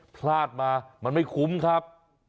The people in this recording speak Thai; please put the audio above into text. พลาดมามันไม่คุ้มครับ